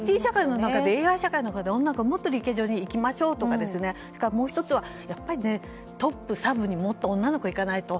ＩＴ社会とかで女の子は、もっとリケジョにいきましょうとかもう１つはトップサブにもっと女の子がいかないと。